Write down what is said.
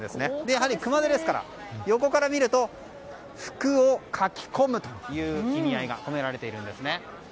やはり熊手ですから横から見ると福をかき込むという意味合いが込められているんです。